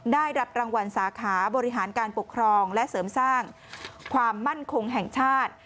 ได้รับรางวัลสาขาบริหารการปกครองและเสริมสร้างความมั่นคงแห่งชาติ